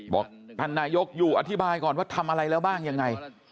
บอกท่านนายกอยู่อธิบายก่อนว่าทำอะไรแล้วบ้างยังไง